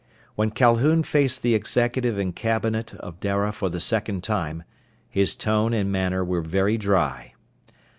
When Calhoun faced the executive and cabinet of Dara for the second time his tone and manner were very dry.